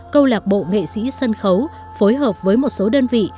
câu lạc bộ nghệ sĩ sân khấu phối hợp với một số đơn vị